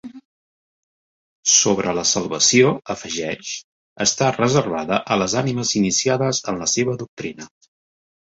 Sobre la salvació, afegeix, està reservada a les ànimes iniciades en la seva doctrina.